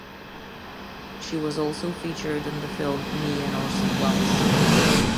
She was also featured in the film "Me and Orson Welles".